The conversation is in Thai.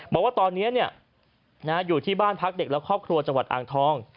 บอกว่าตอนนี้อยู่ที่บ้านพักเด็กและครอบครัวจังหวัดอ่างทอง